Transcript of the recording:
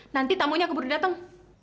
nanti tamunya keburu dateng